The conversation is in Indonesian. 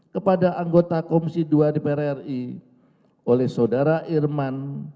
kepada anggota komisi dua dpr ri oleh saudara irman